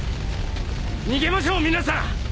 逃げましょう皆さん。